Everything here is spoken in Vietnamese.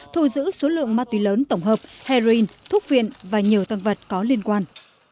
thu giữ số lượng ma túy lớn tổng hợp heroin thuốc viện và nhiều tăng vật có liên quan